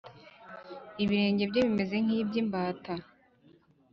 ibirenge bye bimeze nk’ iby’ imbata